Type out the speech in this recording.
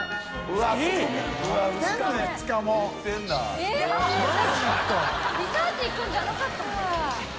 若槻）リサーチ行くんじゃなかったの？